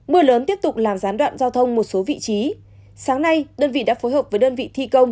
mưa lớn tiếp tục làm gián đoạn giao thông một số vị trí